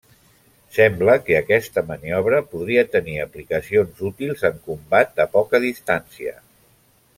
Sembla que aquesta maniobra podria tenir aplicacions útils en combat a poca distància.